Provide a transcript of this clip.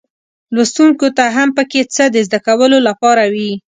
لوستونکو ته هم پکې څه د زده کولو لپاره وي.